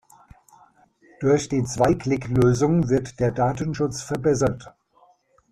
Durch die Zwei-Klick-Lösung wird der Datenschutz verbessert.